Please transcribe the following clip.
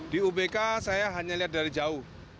di ubk saya hanya lihat dari jauh